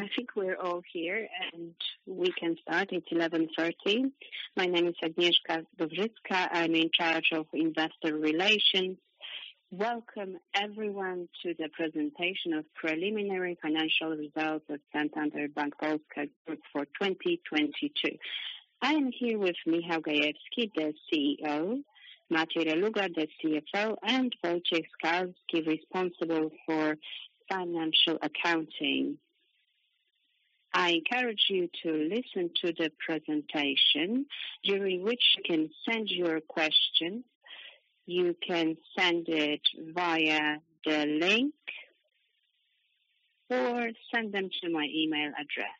I think we're all here, and we can start. It's 11:30 A.M. My name is Agnieszka Dobrzyńska. I'm in charge of investor relations. Welcome everyone to the presentation of preliminary financial results of Santander Bank Polska Group for 2022. I am here with Michał Gajewski, the CEO, Maciej Reluga, the CFO, and Wojciech Skalski, responsible for financial accounting. I encourage you to listen to the presentation, during which you can send your question. You can send it via the link or send them to my email address.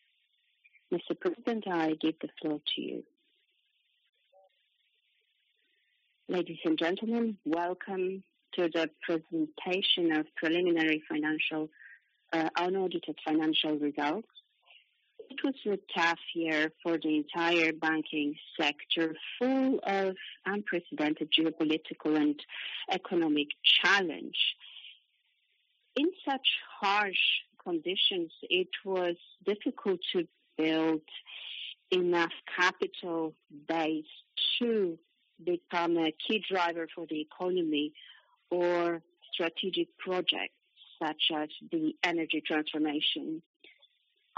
Mr. President, I give the floor to you. Ladies and gentlemen, welcome to the presentation of preliminary financial, unaudited financial results. It was a tough year for the entire banking sector, full of unprecedented geopolitical and economic challenge. In such harsh conditions, it was difficult to build enough capital base to become a key driver for the economy or strategic projects such as the energy transformation.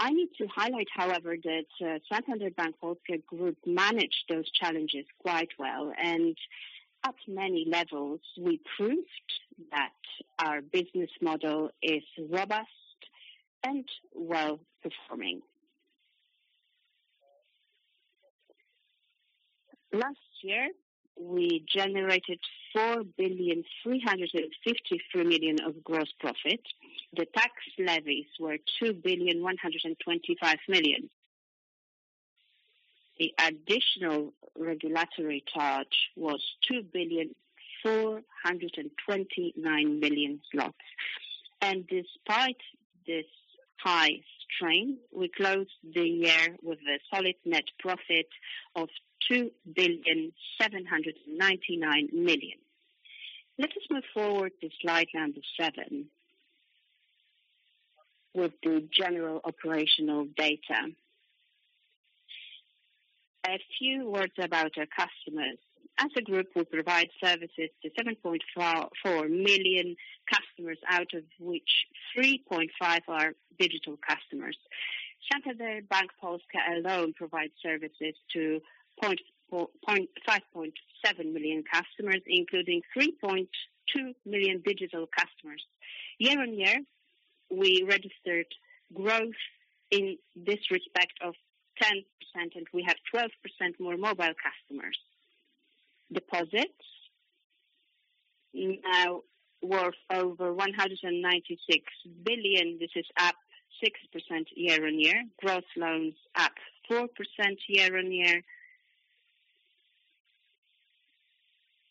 I need to highlight, however, that Santander Bank Polska Group managed those challenges quite well, and at many levels, we proved that our business model is robust and well-performing. Last year, we generated 4,353 million of gross profit. The tax levies were 2,125 million. The additional regulatory charge was 2,429 million zlotys. Despite this high strain, we closed the year with a solid net profit of 2,799 million. Let us move forward to slide number seven with the general operational data. A few words about our customers. As a group, we provide services to 7.44 million customers, out of which 3.5 are digital customers. Santander Bank Polska alone provides services to 5.7 million customers, including 3.2 million digital customers. Year-on-year, we registered growth in this respect of 10%, and we have 12% more mobile customers. Deposits now worth over 196 billion. This is up 6% year-on-year. Gross loans up 4% year-on-year.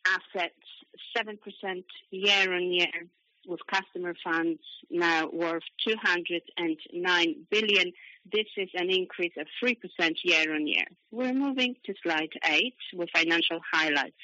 Assets 7% year-on-year, with customer funds now worth 209 billion. This is an increase of 3% year-on-year. We're moving to slide eight with financial highlights.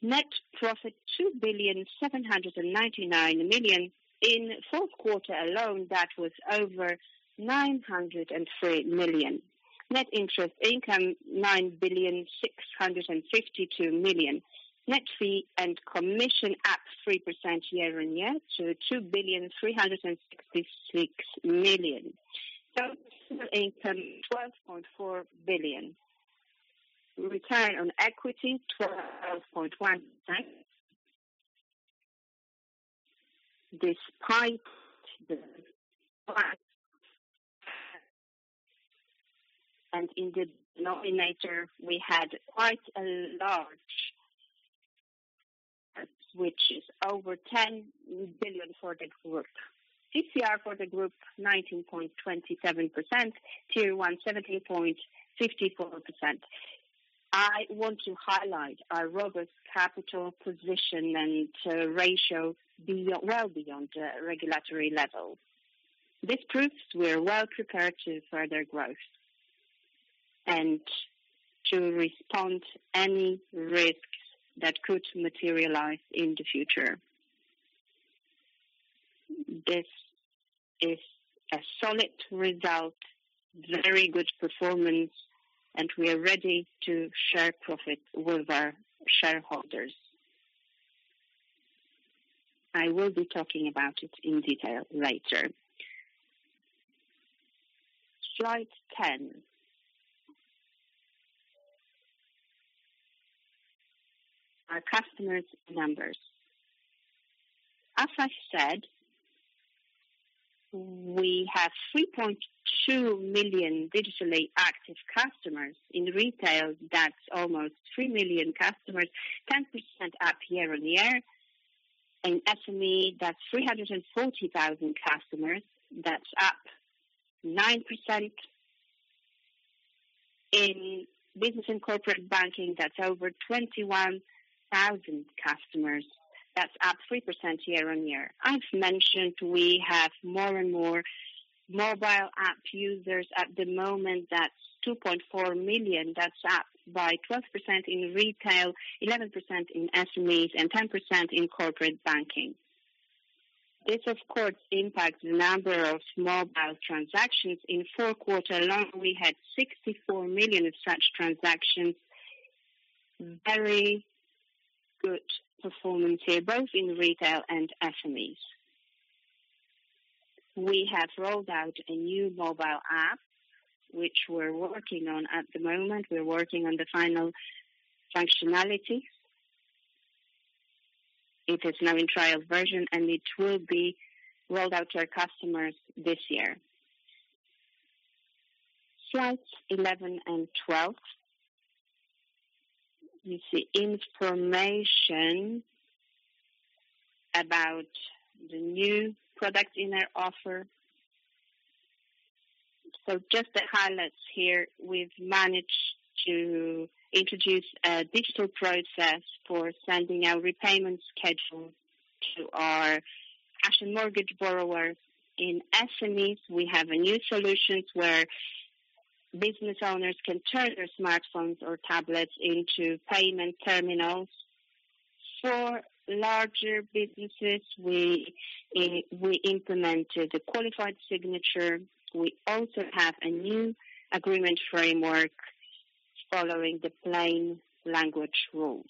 Net profit 2,799 million. In Q4 alone, that was over 903 million. Net interest income 9.652 billion. Net fee and commission up 3% year-on-year to 2.366 billion. Total income 12.4 billion. Return on equity 12.1%. In the nominator, we had quite a large which is over 10 billion for the group. TCR for the group 19.27%. Tier 1, 17.54%. I want to highlight our robust capital position and ratio beyond, well beyond regulatory levels. This proves we're well prepared to further growth and o respond to any risks that could materialize in the future. This is a solid result, very good performance, and we are ready to share profits with our shareholders. I will be talking about it in detail later. Slide 10. Our customers numbers. As I said, we have 3.2 million digitally active customers. In retail, that's almost three million customers, 10% up year-on-year. In SME, that's 340,000 customers. That's up 9%. In business and corporate banking, that's over 21,000 customers. That's up 3% year-on-year. I've mentioned we have more and more mobile app users. At the moment, that's 2.4 million. Thathree's up by 12% in retail, 11% in SMEs, and 10% in corporate banking. This of course impacts the number of mobile transactions. In Q4 alone, we had 64 million of such transactions. Very good performance here, both in retail and SMEs. We have rolled out a new mobile app, which we're working on at the moment. We're working on the final functionality. It is now in trial version, and it will be rolled out to our customers this year. Slides 11 and 12. Just the highlights here, we've managed to introduce a digital process for sending out repayment schedule to our actual mortgage borrowers. In SMEs, we have new solutions where business owners can turn their smartphones or tablets into payment terminals. For larger businesses, we implemented a qualified signature. We also have a new agreement framework following the plain language rules.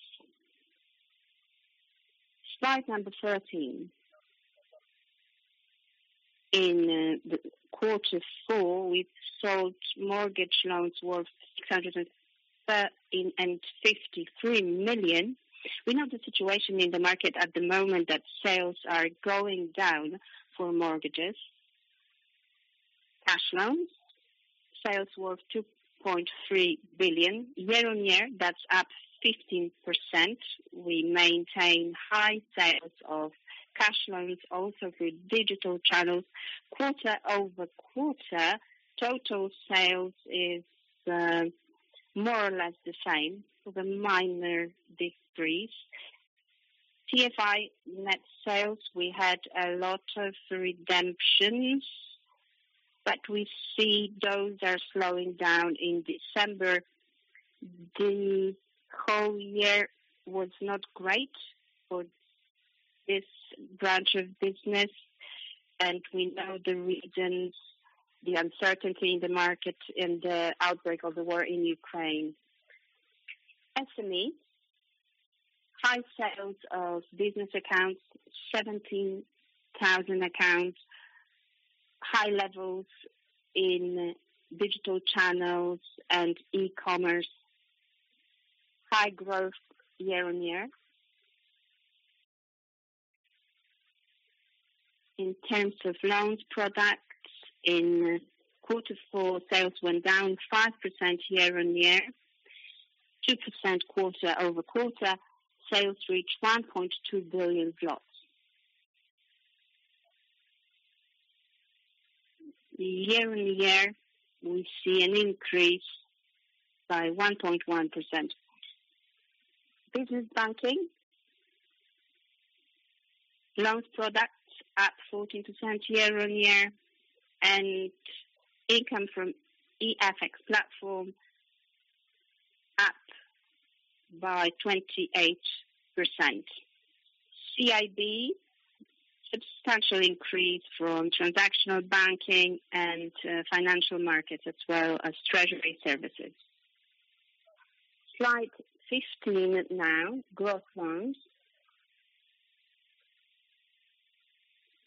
Slide number 13. In the Q4, we sold mortgage loans worth 653 million. We know the situation in the market at the moment that sales are going down for mortgages. Cash loans. Sales worth 2.3 billion. Year-on-year, that's up 15%. We maintain high sales of cash loans also through digital channels. quarter-over-quarter, total sales is more or less the same with a minor decrease. TFI net sales, we had a lot of redemptions, but we see those are slowing down in December. The whole year was not great for this branch of business, and we know the reasons, the uncertainty in the market and the outbreak of the war in Ukraine. SME. High sales of business accounts, 17,000 accounts. High levels in digital channels and e-commerce. High growth year-on-year. In terms of loans products, in Q4, sales went down 5% year-on-year, 2% quarter-over-quarter. Sales reached PLN 1.2 billion. Year-on-year, we see an increase by 1.1%. Business banking. Loans products up 14% year-on-year, and income from eFX platform up by 28%. CIB substantial increase from transactional banking and financial markets as well as treasury services. Slide 15 now. Growth loans.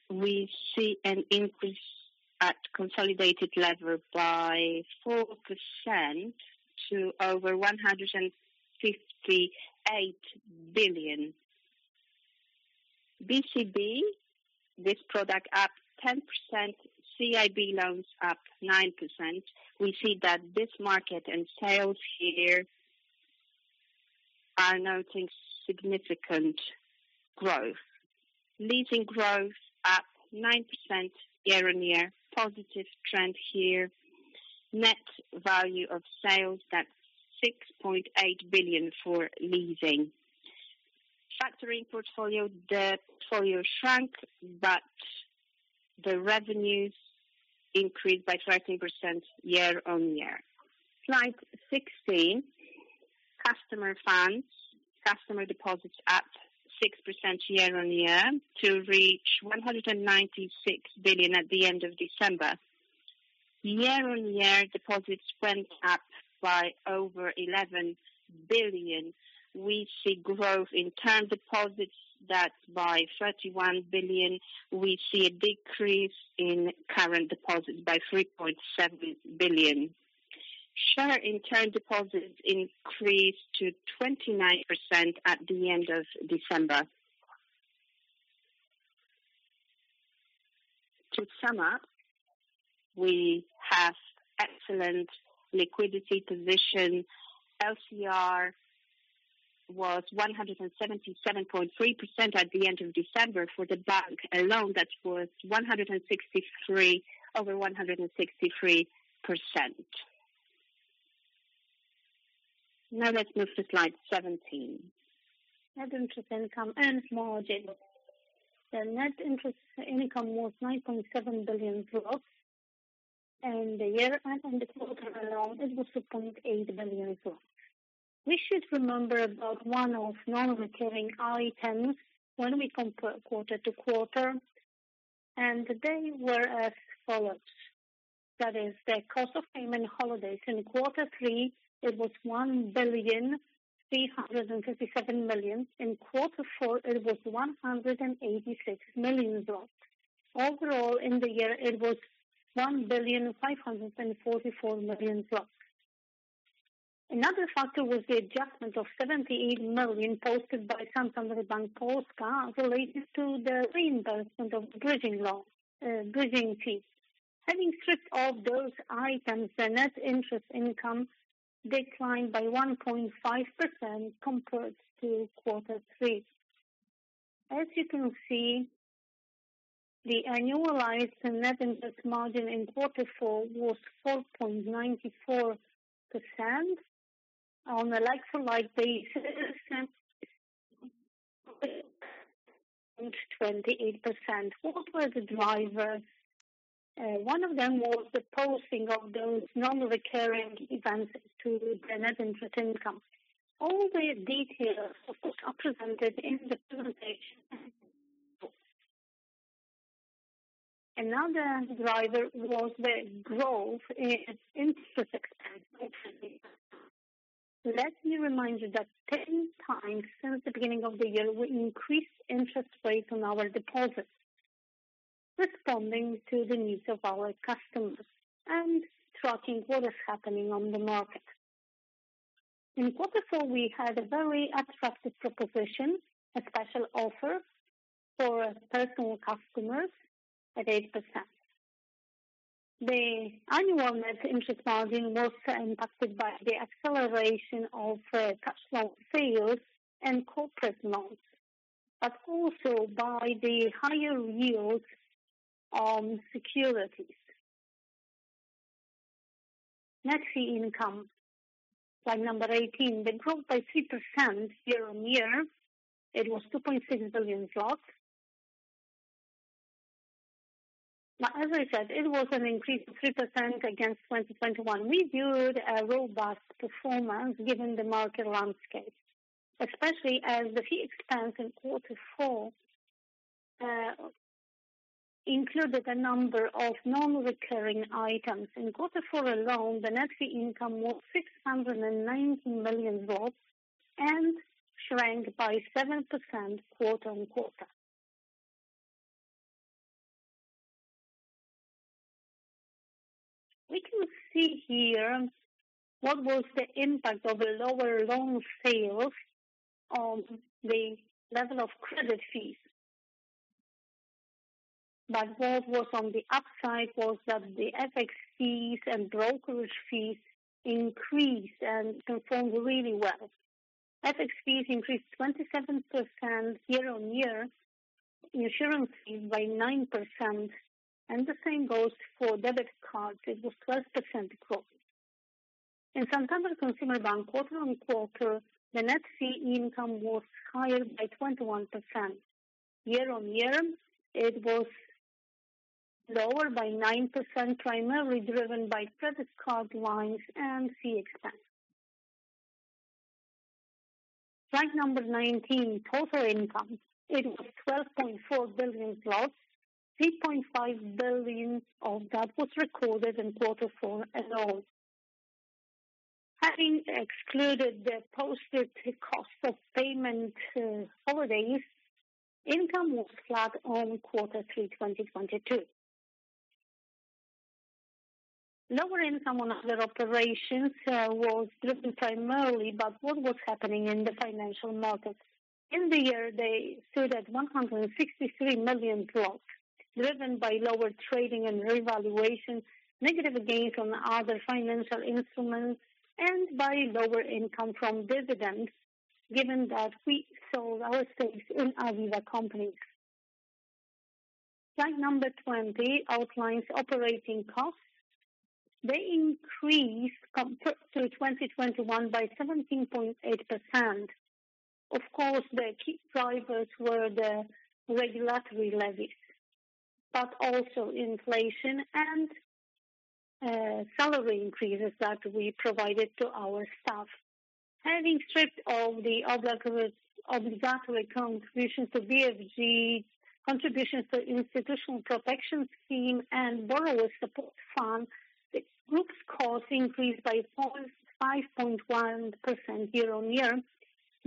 We see an increase at consolidated level by 4% to over PLN 158 billion. BCB, this product up 10%. CIB loans up 9%. We see that this market and sales here are noting significant growth. Leasing growth up 9% year-on-year. Positive trend here. Net value of sales, that's 6.8 billion for leasing. Factoring portfolio. The portfolio shrunk, but the revenues increased by 13% year-on-year. Slide 16. Customer funds. Customer deposits up 6% year-on-year to reach 196 billion at the end of December. Year-on-year deposits went up by over 11 billion. We see growth in term deposits. That's by 31 billion. We see a decrease in current deposits by 3.7 billion. Share in term deposits increased to 29% at the end of December. To sum up, we have excellent liquidity position. LCR was 177.3% at the end of December. For the bank alone, that was over 163%. Now let's move to slide 17. Net interest income and margin. The net interest income was 9.7 billion and the year-end and the quarter alone, it was 2.8 billion. We should remember about one of non-recurring items when we compare quarter-to-quarter, and they were as follows. That is the cost of payment holidays. In Q3, it was 1.357 billion. In Q4, it was 186 million. Overall, in the year, it was 1.544 billion. Another factor was the adjustment of 78 million posted by Santander Bank Polska related to the reimbursement of bridging loans, bridging fees. Having stripped off those items, the net interest income declined by 1.5% compared to Q3. As you can see, the annualized net interest margin in Q4 was 4.94%. On a like-for-like basis 28%. What were the drivers? One of them was the posting of those non-recurring events to the net interest income. All the details, of course, are presented in the presentation. Another driver was the growth in interest expense. Let me remind you that 10 times since the beginning of the year, we increased interest rates on our deposits, responding to the needs of our customers and tracking what is happening on the market. In Q4, we had a very attractive proposition, a special offer for personal customers at 8%. The annual net interest margin was impacted by the acceleration of cash loan sales and corporate loans, but also by the higher yields on securities. Net fee income, slide number 18. They grew by 3% year-on-year. It was 2.6 billion. As I said, it was an increase of 3% against 2021. We viewed a robust performance given the market landscape, especially as the fee expense in Q4 included a number of non-recurring items. In Q4 alone, the net fee income was PLN 690 million and shrank by 7% quarter-on-quarter. We can see here what was the impact of the lower loan sales on the level of credit fees. What was on the upside was that the FX fees and brokerage fees increased and performed really well. FX fees increased 27% year-on-year, insurance fees by 9%, and the same goes for debit cards. It was 12% growth. In Santander Consumer Bank quarter-on-quarter, the net fee income was higher by 21%. Year-on-year, it was lower by 9%, primarily driven by credit card lines and fee expense. Slide number 19, total income. It was 12.4 billion. 3.5 billion of that was recorded in Q4 alone. Having excluded the posted cost of payment holidays, income was flat on Q3 2022. Lower income on other operations was driven primarily by what was happening in the financial markets. In the year, they stood at 163 million, driven by lower trading and revaluation, negative gains on other financial instruments, and by lower income from dividends, given that we sold our stakes in Aviva companies. Slide number 20 outlines operating costs. They increased compared to 2021 by 17.8%. Of course, the key drivers were the regulatory levies, but also inflation and salary increases that we provided to our staff. Having stripped of the obligatory contributions to BFG, contributions to Institutional Protection Scheme and Borrower Support Fund, the group's costs increased by 4.5% year on year,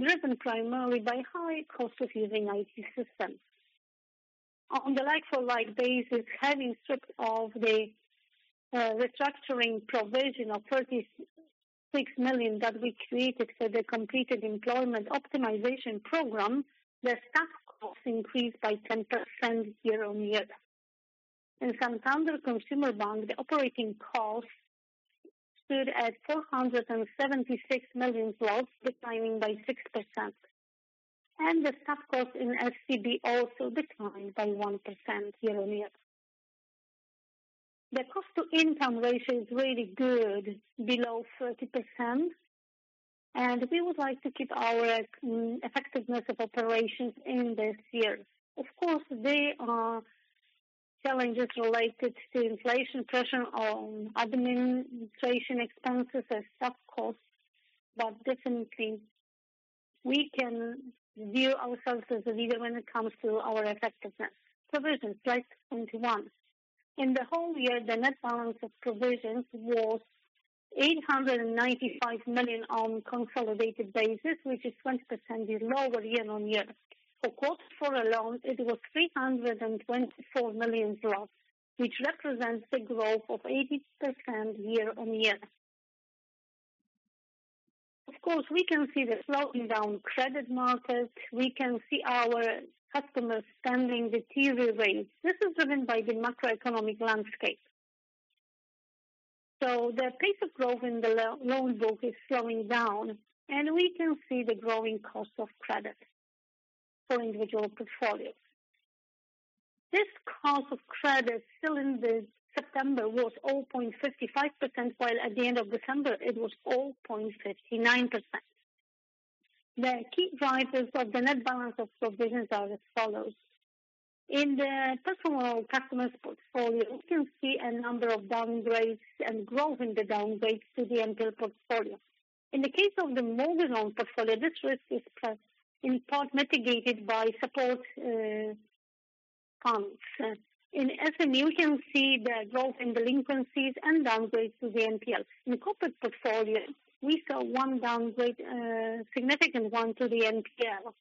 driven primarily by high cost of using IT systems. On the like-for-like basis, having stripped of the restructuring provision of 36 million that we created for the completed employment optimization program, the staff costs increased by 10% year on year. In Santander Consumer Bank, the operating costs stood at 476 million złoty, declining by 6%. The staff costs in SCB also declined by 1% year on year. The cost to income ratio is really good, below 30%, and we would like to keep our effectiveness of operations in this year. There are challenges related to inflation pressure on administration expenses and staff costs, definitely we can view ourselves as a leader when it comes to our effectiveness. Provisions, slide 21. In the whole year, the net balance of provisions was 895 million on consolidated basis, which is 20% lower year-on-year. For Q4 alone, it was 324 million, which represents the growth of 80% year-on-year. We can see the slowing down credit market. We can see our customers spending deteriorate. This is driven by the macroeconomic landscape. The pace of growth in the loan book is slowing down, we can see the growing cost of credit for individual portfolios. This cost of credit still in September was 0.55%, while at the end of December it was 0.59%. The key drivers of the net balance of provisions are as follows. In the personal customers portfolio, you can see a number of downgrades and growth in the downgrades to the NPL portfolio. In the case of the mortgage loans portfolio, this risk is in part mitigated by support funds. In SME, you can see the growth in delinquencies and downgrades to the NPL. In corporate portfolio, we saw one downgrade, significant one to the NPL.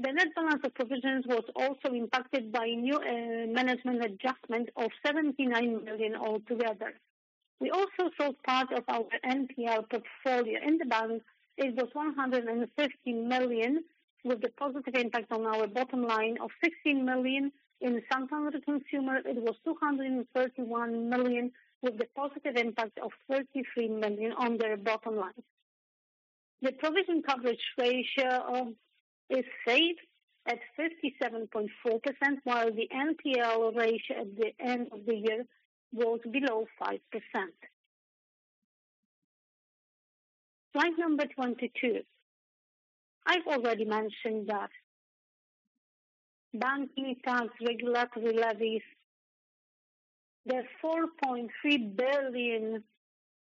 The net balance of provisions was also impacted by new management adjustment of 79 million altogether. We also sold part of our NPL portfolio. In the balance, it was 150 million, with the positive impact on our bottom line of 16 million. In Santander Consumer, it was 231 million, with the positive impact of 33 million on their bottom line. The provision coverage ratio is safe at 57.4%, while the NPL ratio at the end of the year was below 5%. Slide number 22. I've already mentioned that bank tax regulatory levies, the 4.3 billion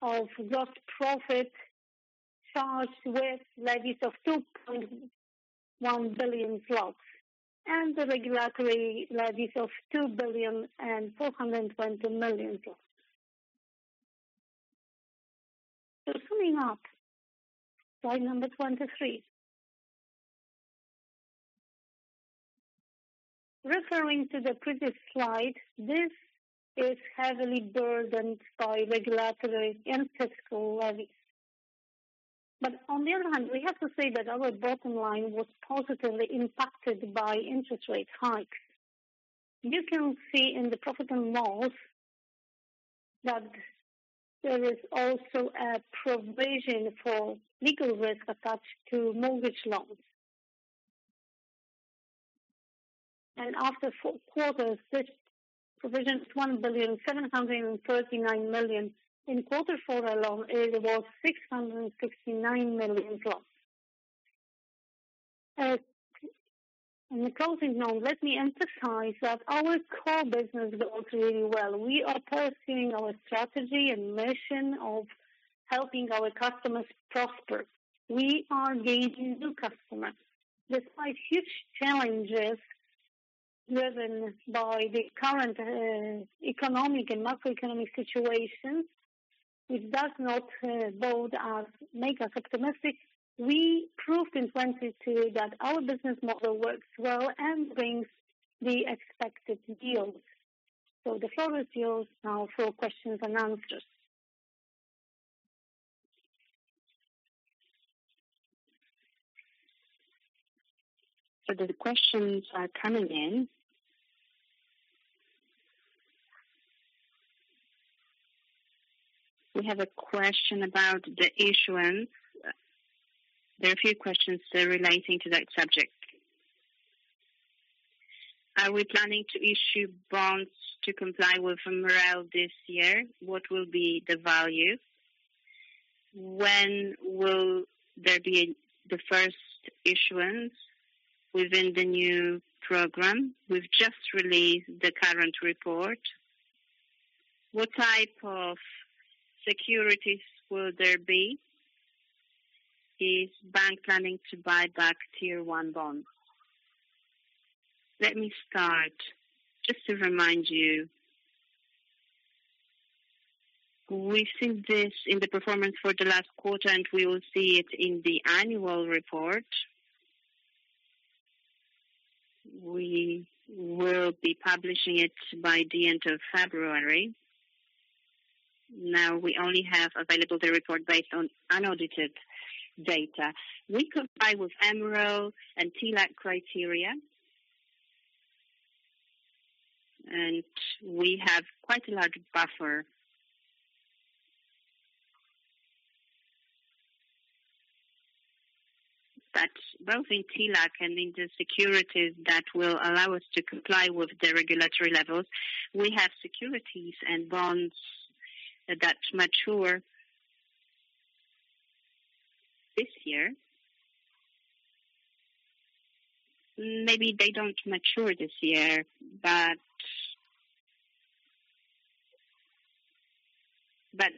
of gross profit charged with levies of 2.1 billion zlotys and the regulatory levies of 2.42 billion. Summing up, slide number 23. Referring to the previous slide, this is heavily burdened by regulatory and fiscal levies. On the other hand, we have to say that our bottom line was positively impacted by interest rate hikes. You can see in the profit and loss that there is also a provision for legal risk attached to mortgage loans. After four quarters, this provision is 1.739 billion. In Q4 alone, it was PLN 669 million. In the closing note, let me emphasize that our core business goes really well. We are pursuing our strategy and mission of helping our customers prosper. We are gaining new customers despite huge challenges driven by the current economic and macroeconomic situation, which does not make us optimistic. We proved in 2022 that our business model works well and brings the expected yields. The floor is yours now for questions and answers. The questions are coming in. We have a question about the issuance. There are a few questions there relating to that subject. Are we planning to issue bonds to comply with MREL this year? What will be the value? When will there be the first issuance within the new program? We've just released the current report. What type of securities will there be? Is bank planning to buy back Tier 1 bonds? Let me start. Just to remind you, we see this in the performance for the last quarter, and we will see it in the annual report. We will be publishing it by the end of February. Now, we only have available the report based on unaudited data. We comply with MREL and TLAC criteria. We have quite a large buffer Both in TLAC and in the securities that will allow us to comply with the regulatory levels, we have securities and bonds that mature this year. Maybe they don't mature this year, but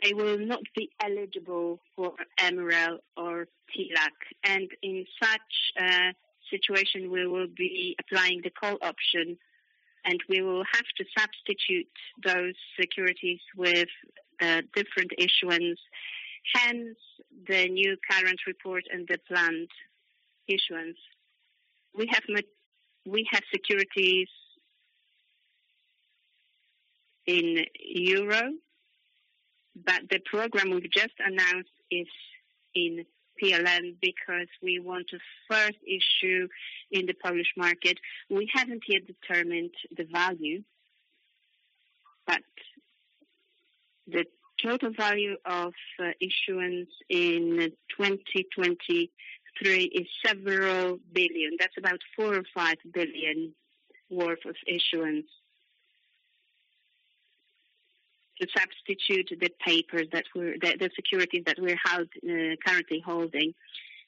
they will not be eligible for MREL or TLAC. In such a situation, we will be applying the call option, and we will have to substitute those securities with different issuance, hence the new current report and the planned issuance. We have securities in euro, but the program we've just announced is in PLN because we want to first issue in the Polish market. We haven't yet determined the value, but the total value of issuance in 2023 is PLN several billion. That's about 4 billion-5 billion worth of issuance. To substitute the paper that the securities that we're currently holding.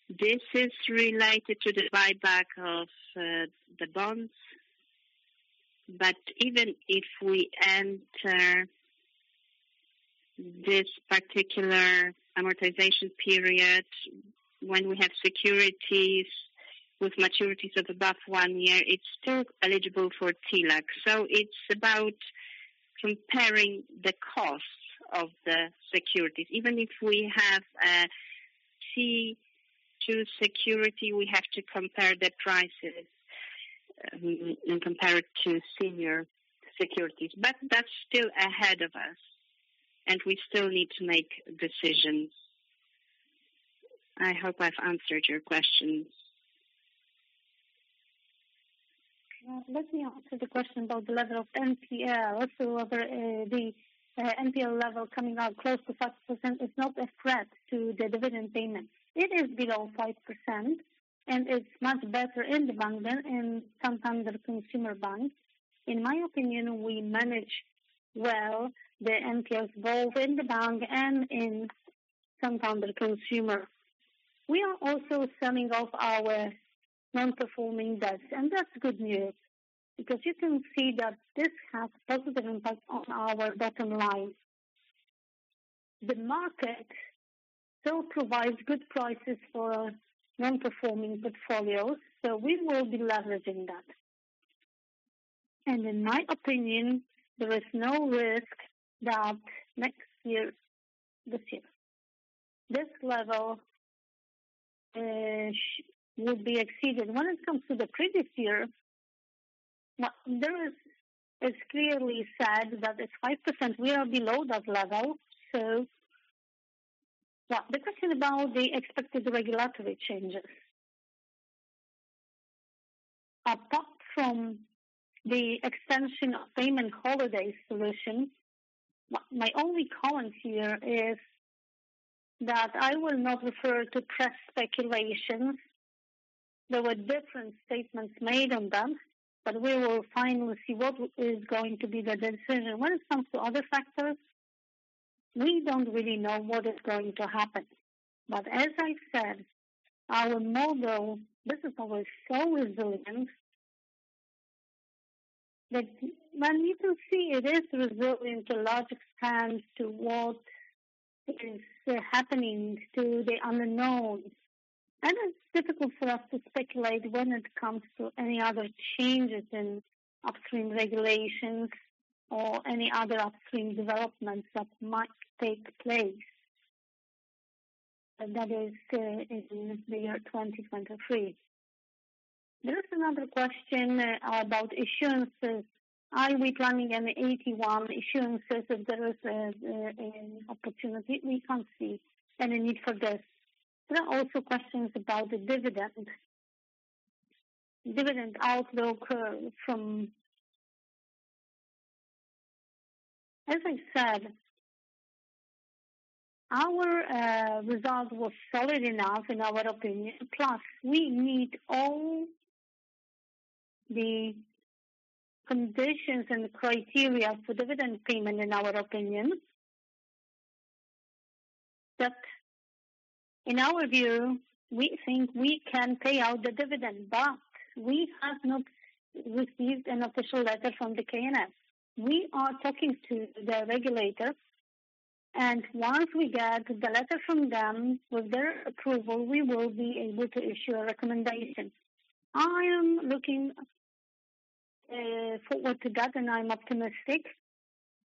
This is related to the buyback of the bonds. Even if we enter this particular amortization period, when we have securities with maturities of above one year, it's still eligible for TLAC. It's about comparing the costs of the securities. Even if we have a Tier 2 security, we have to compare the prices and compare it to senior securities. That's still ahead of us, and we still need to make decisions. I hope I've answered your question. Let me answer the question about the level of NPL. Whether the NPL level coming out close to 5% is not a threat to the dividend payment. It is below 5%, and it's much better in the bank than in some other consumer banks. In my opinion, we manage well the NPLs both in the bank and in some other consumer. We are also selling off our non-performing debts, and that's good news because you can see that this has positive impact on our bottom line. The market still provides good prices for non-performing portfolios, we will be leveraging that. In my opinion, there is no risk that This year. This level will be exceeded. When it comes to the previous year, now It's clearly said that it's 5%. We are below that level. Yeah. The question about the expected regulatory changes. Apart from the extension of payment holiday solution, my only comment here is that I will not refer to press speculations. There were different statements made on them, but we will finally see what is going to be the decision. When it comes to other factors, we don't really know what is going to happen. As I said, our model, this is always so resilient that when you can see it is resilient to a large extent to what is happening to the unknowns. It's difficult for us to speculate when it comes to any other changes in upstream regulations or any other upstream developments that might take place. That is in the year 2023. There is another question about issuances. Are we planning any AT1 issuances if there is an opportunity? We can't see any need for this. There are also questions about the dividend. Dividend outlook from As I said, our result was solid enough in our opinion. We meet all the conditions and criteria for dividend payment in our opinion. In our view, we think we can pay out the dividend, but we have not received an official letter from the KNF. We are talking to the regulator and once we get the letter from them with their approval, we will be able to issue a recommendation. I am looking forward to that, and I'm optimistic,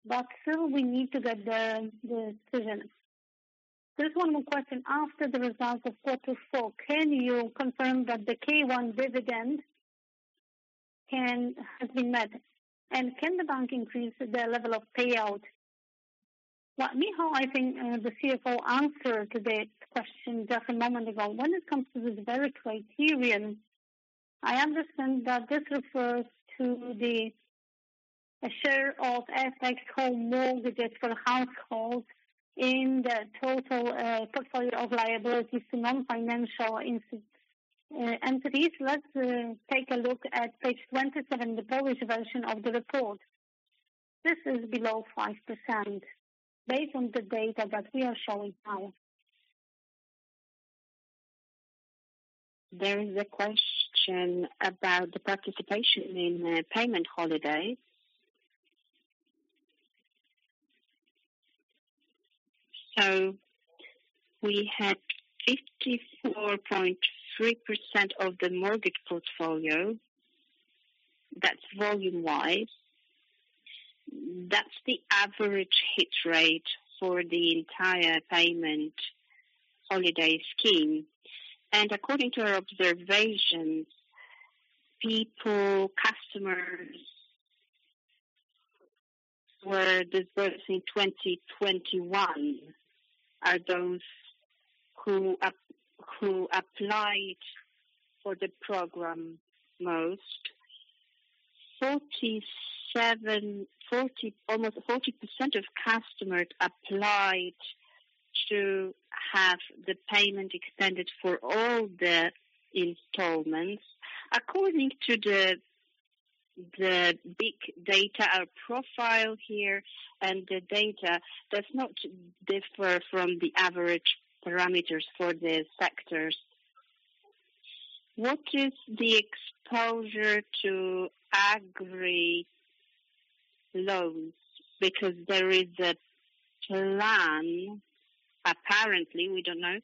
but still we need to get the decision. There's one more question. After the results of Q4, can you confirm that the CET1 dividend has been met? Can the bank increase their level of payout? Michał, I think the CFO answered to that question just a moment ago. When it comes to this very criterion, I understand that this refers to the share of FX home mortgages for households in the total portfolio of liabilities to non-financial entities. Let's take a look at page 27, the Polish version of the report. This is below 5% based on the data that we are showing now. There is a question about the participation in payment holidays. We had 54.3% of the mortgage portfolio. That's volume-wise. That's the average hit rate for the entire payment holiday scheme. According to our observations, people, customers were dispersed in 2021 are those who applied for the program most. Almost 40% of customers applied to have the payment extended for all the installments. According to the big data or profile here, the data does not differ from the average parameters for the sectors. What is the exposure to agri loans? There is a plan, apparently, we don't know,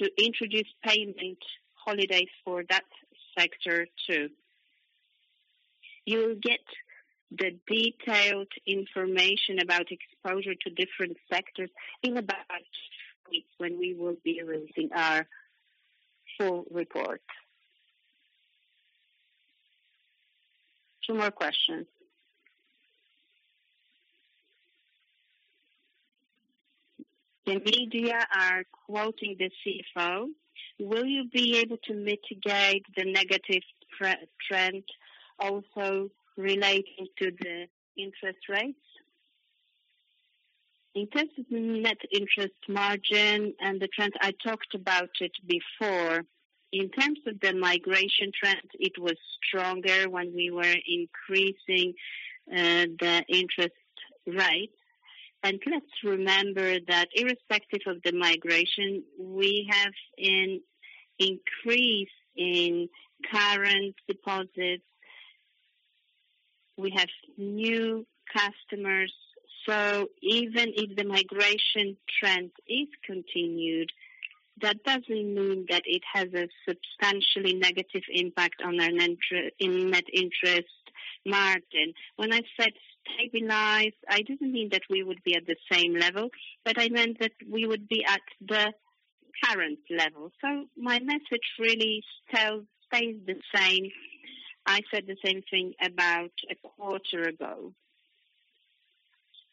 to introduce payment holidays for that sector too. You'll get the detailed information about exposure to different sectors in about Two weeks when we will be releasing our full report. Two more questions. The media are quoting the CFO. Will you be able to mitigate the negative trend also relating to the interest rates? In terms of net interest margin and the trend, I talked about it before. In terms of the migration trend, it was stronger when we were increasing the interest rates. Let's remember that irrespective of the migration, we have an increase in current deposits. We have new customers. Even if the migration trend is continued, that doesn't mean that it has a substantially negative impact on our net interest margin. When I said stabilized, I didn't mean that we would be at the same level, but I meant that we would be at the current level. My message really still stays the same. I said the same thing about a quarter ago.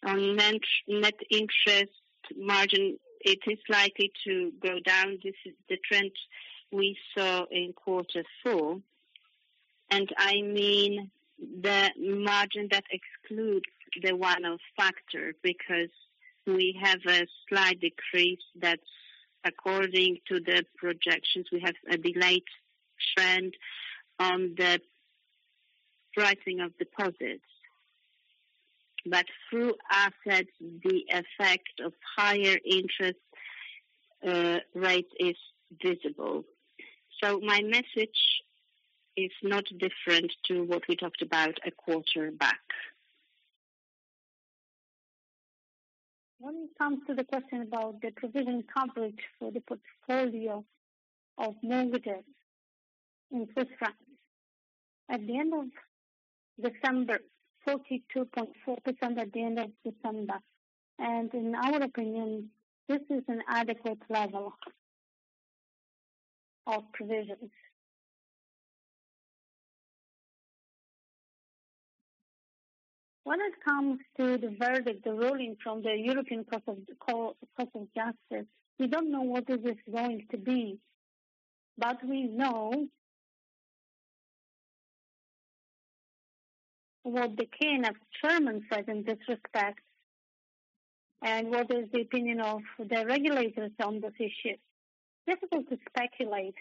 On net interest margin, it is likely to go down. This is the trend we saw in Q4. I mean the margin that excludes the one-off factor because we have a slight decrease that's according to the projections. We have a delayed trend on the pricing of deposits. Through assets, the effect of higher interest rate is visible. My message is not different to what we talked about a quarter back. When it comes to the question about the provision coverage for the portfolio of mortgages in Switzerland. At the end of December, 42.4% at the end of December. In our opinion, this is an adequate level of provisions. When it comes to the verdict, the ruling from the Court of Justice of the European Union, we don't know what it is going to be. We know what the ruling in Germany said in this respect and what is the opinion of the regulators on this issue. Difficult to speculate.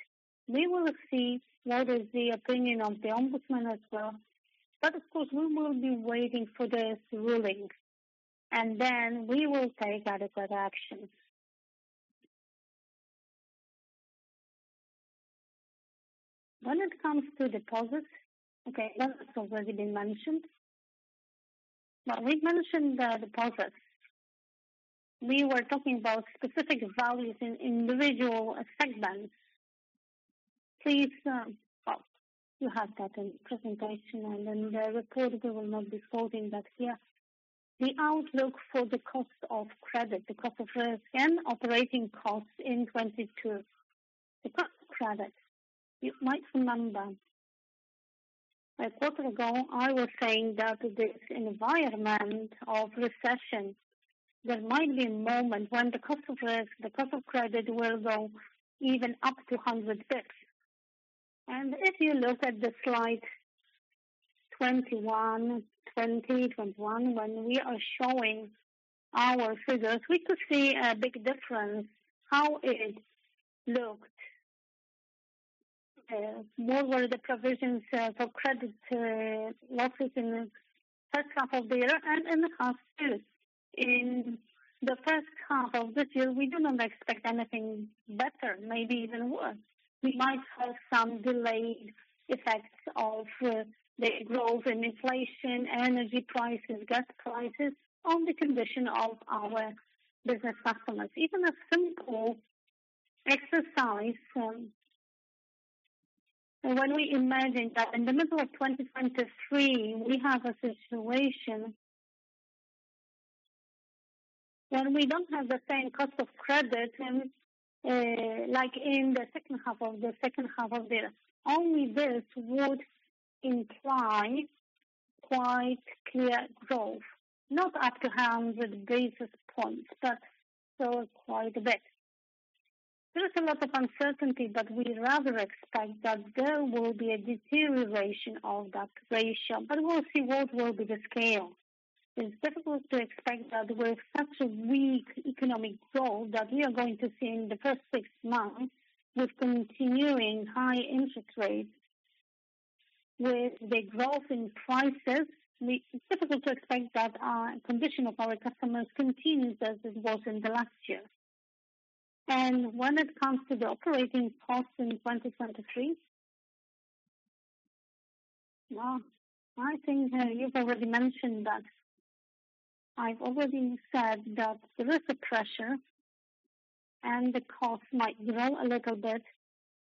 We will see what is the opinion of the ombudsman as well. Of course, we will be waiting for this ruling, and then we will take adequate action. When it comes to deposits. Okay, well, it's already been mentioned. We've mentioned the deposits. We were talking about specific values in individual segments. Please, well, you have that in presentation and in the report. We will not be quoting that here. The outlook for the cost of credit, the cost of risk and operating costs in 2022. The cost of credit. You might remember a quarter ago, I was saying that this environment of recession. There might be a moment when the cost of risk, the cost of credit will go even up to 100 bps. If you look at the slide 21, 20, 21, when we are showing our figures, we could see a big difference how it looked. There were the provisions for credit losses in first half of the year and in the half two. In the first half of this year, we do not expect anything better, maybe even worse. We might have some delayed effects of the growth in inflation, energy prices, gas prices on the condition of our business customers. Even a simple exercise. When we imagine that in the middle of 2023, we have a situation where we don't have the same cost of credit and like in the second half of the year. Only this would imply quite clear growth. Not up to 100 basis points, but still quite a bit. There is a lot of uncertainty, but we rather expect that there will be a deterioration of that ratio, but we'll see what will be the scale. It's difficult to expect that with such a weak economic growth that we are going to see in the first 6 months with continuing high interest rates. With the growth in prices, it's difficult to expect that our condition of our customers continues as it was in the last year. When it comes to the operating costs in 2023. Well, I think you've already mentioned that. I've already said that there is a pressure and the cost might grow a little bit,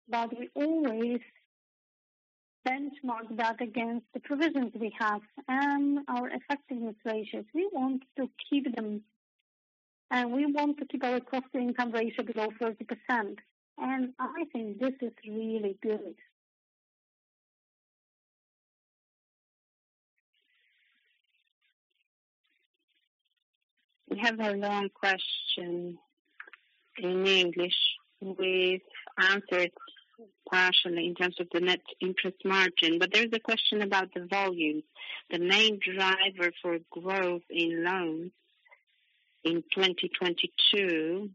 but we always benchmark that against the provisions we have and our effectiveness ratios. We want to keep them and we want to keep our cost to income ratio below 30%, and I think this is really good. We have a long question in English. We've answered partially in terms of the net interest margin, but there's a question about the volume. The main driver for growth in loans in 2022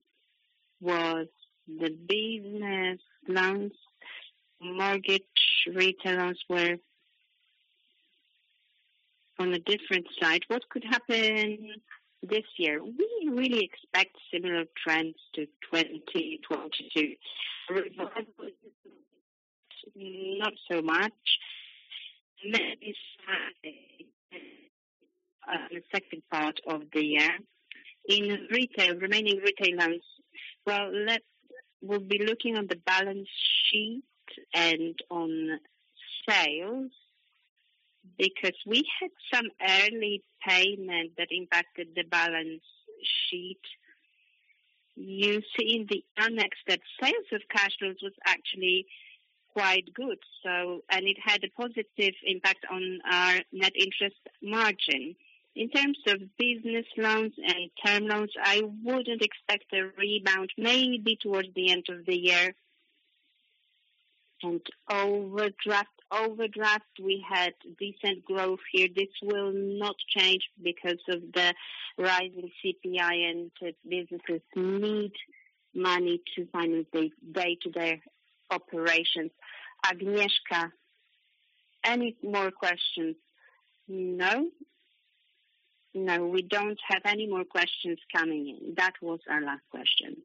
was the business loans. Mortgage retailers were on a different side. What could happen this year? We really expect similar trends to 2022. Not so much. Maybe the second part of the year. In retail, remaining retail loans. Well, we'll be looking on the balance sheet and on sales because we had some early payment that impacted the balance sheet. You see in the unexpected sales of cash flows was actually quite good. It had a positive impact on our net interest margin. In terms of business loans and term loans, I wouldn't expect a rebound maybe towards the end of the year. Overdraft. Overdraft, we had decent growth here. This will not change because of the rising CPI and businesses need money to finance their day-to-day operations. Agnieszka, any more questions? No? No, we don't have any more questions coming in. That was our last question.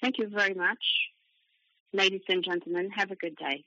Thank you very much. Ladies and gentlemen, have a good day.